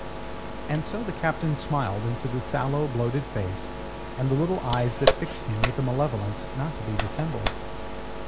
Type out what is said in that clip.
And so the Captain smiled into the sallow, bloated face and the little eyes that fixed him with a malevolence not to be dissembled.